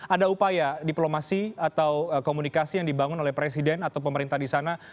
ada upaya diplomasi atau komunikasi yang dibangun oleh presiden atau pemerintah di sana